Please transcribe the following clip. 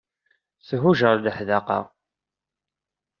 Thuǧer leḥdaqa.